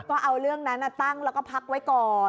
ก็เอาเรื่องนั้นตั้งแล้วก็พักไว้ก่อน